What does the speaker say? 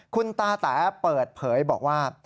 คุณตาแต๋เปิดเผยบอกว่า